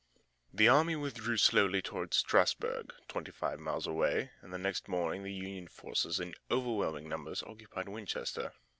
The army withdrew slowly toward Strasburg, twenty five miles away, and the next morning the Union forces in overwhelming numbers occupied Winchester.